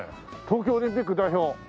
「東京オリンピック代表」。